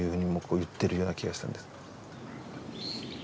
言ってるような気がしたんです。